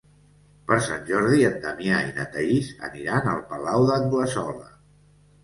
Per Sant Jordi en Damià i na Thaís aniran al Palau d'Anglesola.